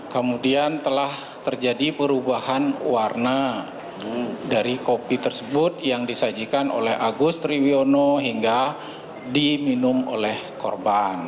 kemudian telah terjadi perubahan warna dari kopi tersebut yang disajikan oleh agus triwiono hingga diminum oleh korban